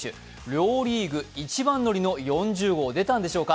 両リーグ一番乗りの４０号は出たんでしょうか？